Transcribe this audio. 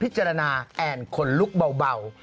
พิจารณาแอนด์คนลุขเบา